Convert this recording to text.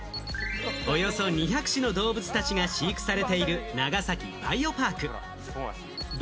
およそ、２００種の動物たちが飼育されている長崎バイオパーク。